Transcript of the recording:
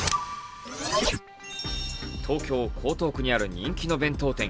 東京・江東区にある人気の弁当店